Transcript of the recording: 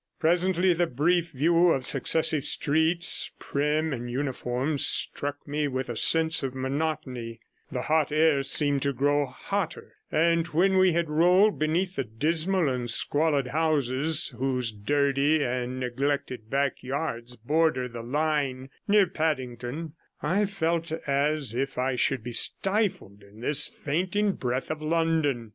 Presently the brief view of successive streets, prim and uniform, struck me with a sense of monotony; the hot air seemed to grow hotter; and when we had rolled beneath the dismal and squalid houses, whose dirty and neglected backyards border the line near Paddington, I felt as if I should be stifled in this fainting breath of London.